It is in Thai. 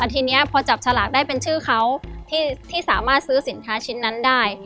ทีนี้พอจับฉลากได้เป็นชื่อเขาที่สามารถซื้อสินค้าชิ้นนั้นได้